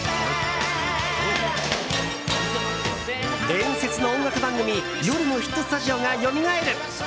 伝説の音楽番組「夜のヒットスタジオ」がよみがえる！